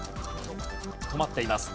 止まっています。